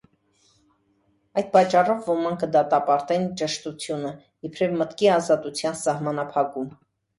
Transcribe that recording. Այդ պատճառով ոմանք կը դատապարտեն ճշդութիւնը իբրեւ մտքի ազատութեան սահմանափակում։